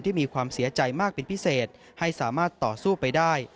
มีความเสียใจมากเป็นพิเศษให้สามารถต่อสู้ไปได้